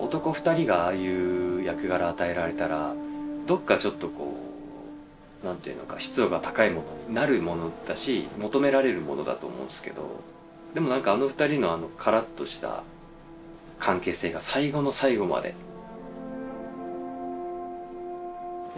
男２人がああいう役柄与えられたらどこかちょっとこう何て言うのか湿度が高いものになるものだし求められるものだと思うんですけどでも何かあの２人のカラッとした関係性が最後の最後までやれたっていう。